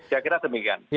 saya kira demikian